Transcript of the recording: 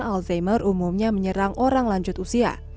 alzheimer umumnya menyerang orang lanjut usia